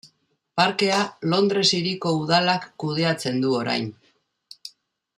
Parkea Londres Hiriko udalak kudeatzen du orain.